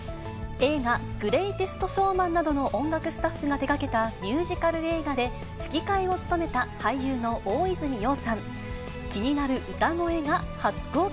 映画、グレイテスト・ショーマンなどの音楽スタッフが手がけたミュージカル映画で吹き替えを務めた俳優の大泉洋さん。